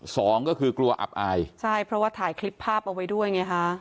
สองก็คือกลัวอับอายใช่เพราะว่าถ่ายคลิปภาพเอาไว้ด้วยไงฮะ